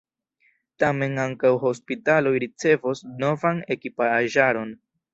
Tamen ankaŭ hospitaloj ricevos novan ekipaĵaron.